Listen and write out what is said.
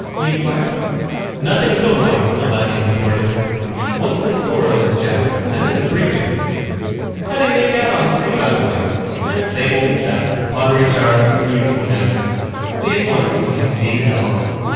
he inquired. "Nothing so far," Albañez reported. "What's the score on this job? I missed the briefing." "How'd you make out on III, by the way?" "Same old stuff, pottery shards and the usual junk. See it once and you've seen it all."